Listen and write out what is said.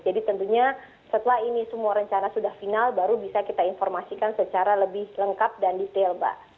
jadi tentunya setelah ini semua rencana sudah final baru bisa kita informasikan secara lebih lengkap dan detail mbak